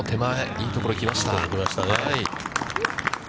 いいところに来ましたね。